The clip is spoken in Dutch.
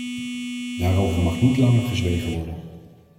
Daarover mag niet langer gezwegen worden.